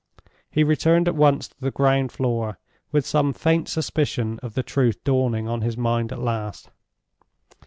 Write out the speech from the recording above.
He returned at once to the ground floor, with some faint suspicion of the truth dawning on his mind at last.